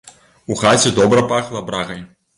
У хаце добра пахла брагай.